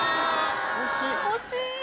惜しい。